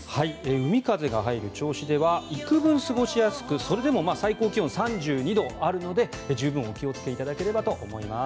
海風が入る銚子では幾分過ごしやすくそれでも最高気温３２度あるので十分お気をつけいただければと思います。